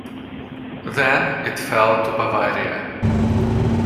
Then it fell to Bavaria.